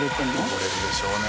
汚れるでしょうね